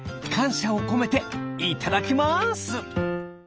かんしゃをこめていただきます！